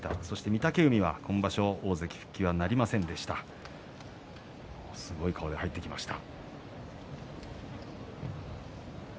御嶽海は今場所大関復帰はなりませんでした。